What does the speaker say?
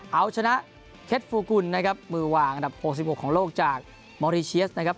เอาชนะเค็ดฟูกุลนะครับมือวางอันดับ๖๖ของโลกจากมอริเชียสนะครับ